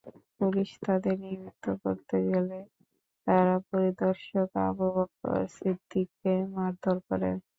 Police তাদের নিবৃত্ত করতে গেলে তারা পরিদর্শক আবু বক্কর সিদ্দিককে মারধর করে।